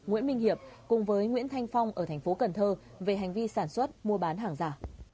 nguyễn minh hiệp cùng với nguyễn thanh phong ở thành phố cần thơ về hành vi sản xuất mua bán hàng giả